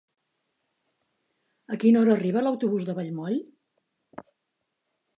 A quina hora arriba l'autobús de Vallmoll?